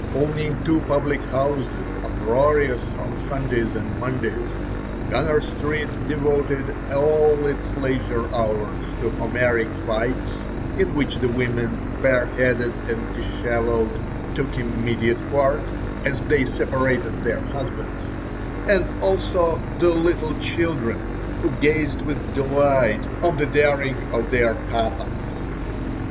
Owning two public houses, uproarious on Sundays and Mondays, Gunner Street devoted all its leisure hours to Homeric fights, in which the women, bare headed and dishevelled, took immediate part (as they separated their husbands), and also the little children, who gazed with delight on the daring of their papas.